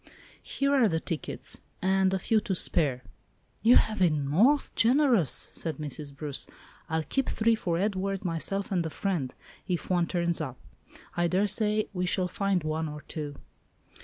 Here are the tickets, and a few to spare." "You have been most generous," said Mrs. Bruce. "I'll keep three for Edward, myself, and a friend, if one turns up. I daresay we shall find one or two."